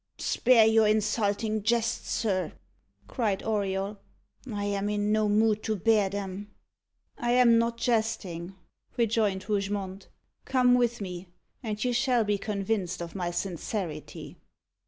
"Spare your insulting jests, sir," cried Auriol. "I am in no mood to bear them." "I am not jesting," rejoined Rougemont. "Come with me, and you shall be convinced of my sincerity."